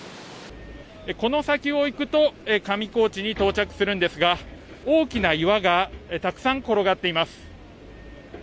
この先を行くと、上高地に到着するんですが、大きな岩がたくさん転がっています。